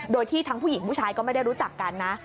โดยที่ทั้งผู้หญิงผู้ชายก็ไม่ได้รู้จักกันนะ